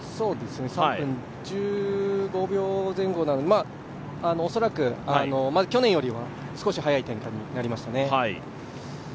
３分１５秒前後なので、恐らく去年よりは少し速い展開になりましたね。